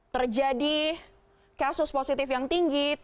terjadi kasus positif yang tinggi